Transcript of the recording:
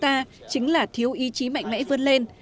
thách thức lớn nhất của chúng ta chính là thiếu ý chí mạnh mẽ vươn lên